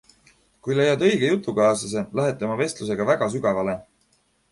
Kui leiad õige jutukaaslase, lähete oma vestlusega väga sügavale.